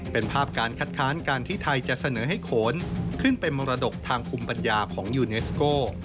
เป็นภาพการคัดค้านการที่ไทยจะเสนอให้โขนขึ้นเป็นมรดกทางภูมิปัญญาของยูเนสโก